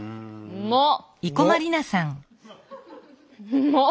うまっ！